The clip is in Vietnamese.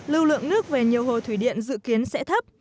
lưu lượng nước về nhiều hồ thủy điện dự kiến sẽ thấp